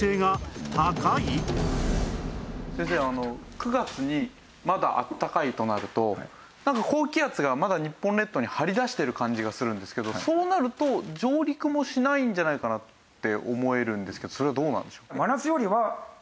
先生あの９月にまだあったかいとなるとなんか高気圧がまだ日本列島に張り出してる感じがするんですけどそうなると上陸もしないんじゃないかなって思えるんですけどそれはどうなんでしょう？